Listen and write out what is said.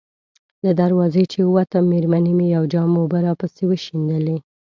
له دروازې چې ووتم، مېرمنې مې یو جام اوبه راپسې وشیندلې.